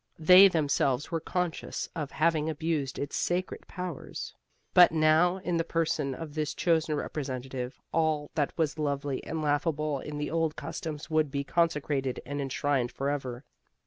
They themselves were conscious of having abused its sacred powers. But now, in the person of this chosen representative, all that was lovely and laughable in the old customs would be consecrated and enshrined forever.